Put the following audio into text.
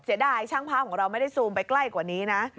เสียดายช่างภาพของเราไม่ได้ซูมไปใกล้กว่านี้นะ